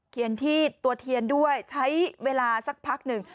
เทียนที่ตัวเทียนด้วยใช้เวลาสักพักหนึ่ง